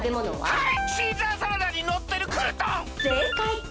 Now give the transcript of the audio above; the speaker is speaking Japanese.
はい！